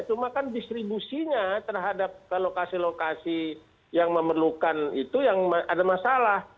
cuma kan distribusinya terhadap lokasi lokasi yang memerlukan itu yang ada masalah